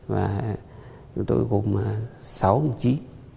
và chúng tôi gồm sáu đồng chí